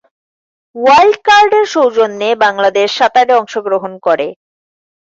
Wild কার্ডের সৌজন্যে বাংলাদেশ সাঁতারে অংশগ্রহণ করে।